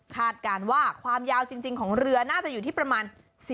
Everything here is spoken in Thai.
การว่าความยาวจริงของเรือน่าจะอยู่ที่ประมาณ